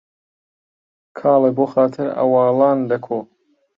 کاڵێ بۆ خاتر عەواڵان لە کۆ